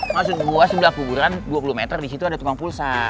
maksud gue sebelah kuburan dua puluh meter disitu ada tukang pulsa